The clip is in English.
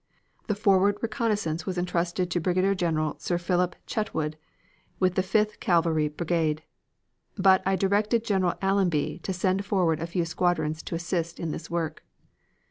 The forward reconnoissance was intrusted to Brig. Gen. Sir Philip Chetwode, with the Fifth Cavalry Brigade, but I directed General Allenby to send forward a few squadrons to assist in this work.